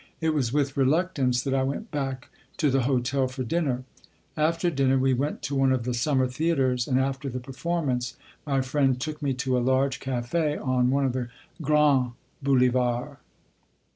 It was with reluctance that I went back to the hotel for dinner. After dinner we went to one of the summer theatres, and after the performance my friend took me to a large café on one of the Grands Boulevards.